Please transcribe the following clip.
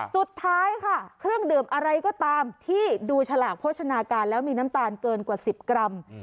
สุดท้ายค่ะเครื่องดื่มอะไรก็ตามที่ดูฉลากโภชนาการแล้วมีน้ำตาลเกินกว่า๑๐กรัม